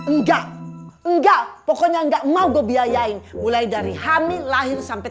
enggak enggak pokoknya enggak mau gue biayain mulai dari hamil lahir sampai